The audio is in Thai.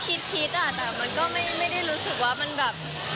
คิดคิดอ่ะแต่มันก็ไม่ได้รู้สึกว่ามันแบบ